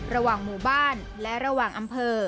ระหว่างหมู่บ้านและระหว่างอำเภอ